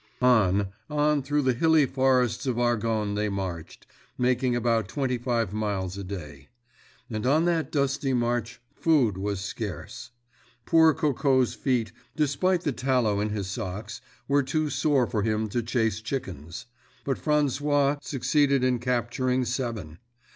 On, on, through the hilly forests of Argonne they marched, making about twenty five miles a day. And on that dusty march food was scarce. Poor Coco's feet, despite the tallow in his socks, were too sore for him to chase chickens, but François succeeded in capturing seven.